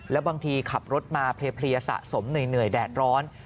แล้วบางทีขับรถมาเพลียสะสมเหนื่อยแดดร้อน